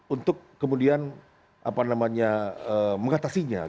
untuk kemudian mengatasinya